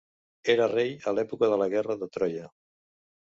Era rei a l'època de la guerra de Troia.